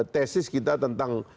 tesis kita tentang